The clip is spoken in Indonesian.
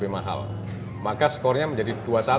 mahal maka skornya menjadi dua satu